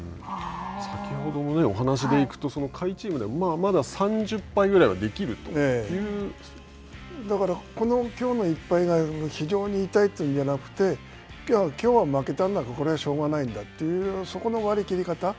先ほどのお話で行くと、下位チームで、まだ３０敗ぐらいはできこのきょうの１敗が非常に痛いというのではなくて、きょうは負けたんだから、これはしょうがないんだと、そこの割り切り方。